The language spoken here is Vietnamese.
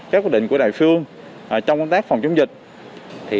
các quyết định của đài phương trong công tác phòng chống dịch